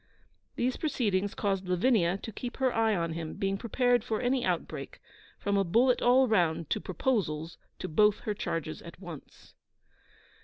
These proceedings caused Lavinia to keep her eye on him, being prepared for any outbreak, from a bullet all round to proposals to both her charges at once.